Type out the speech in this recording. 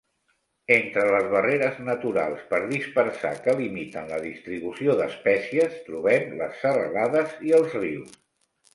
Entre les barreres naturals per dispersar que limiten la distribució d'espècies, trobem les serralades i els rius.